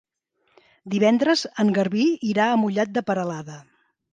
Divendres en Garbí irà a Mollet de Peralada.